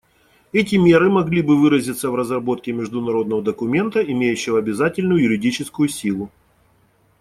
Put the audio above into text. Эти меры могли бы выразиться в разработке международного документа, имеющего обязательную юридическую силу.